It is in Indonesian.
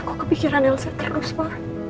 aku kepikiran elsa terus pa